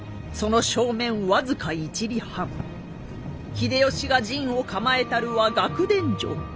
秀吉が陣を構えたるは楽田城。